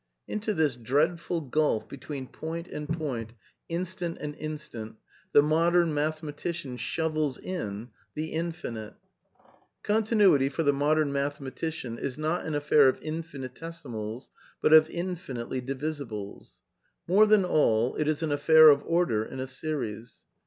Into this dreadful gulf between point and point, instant and instant, the modem mathematician shovels in — the Infinite. Continuity, for the modem mathematician, is not an affair of infinitesimals, but of infinitely divisibles. More than all, it is an affair of order in a series.